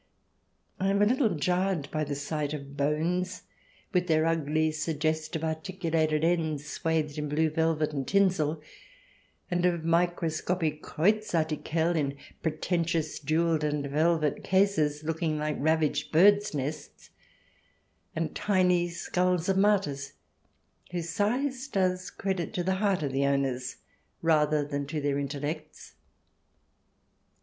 I am a little jarred by the sight of bones with their ugly, suggestive articulated ends swathed in blue velvet and tinsel, and of microscopic Kreuz Artikel in pretentious jewelled and velvet cases, looking like ravaged birds' nests, and tiny skulls of martyrs, whose size does credit to the heart of the owners rather than to their intellects.